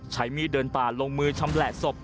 ใช้มีดเดินป่าลงมือชำแหละศพ